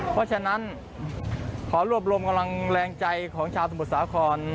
เพราะฉะนั้นขอรวบรวมกำลังแรงใจของชาวสมุทรสาคร